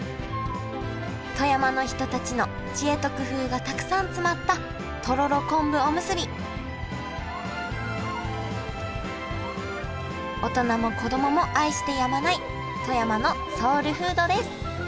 富山の人たちの知恵と工夫がたくさん詰まったとろろ昆布おむすび大人も子供も愛してやまない富山のソウルフードです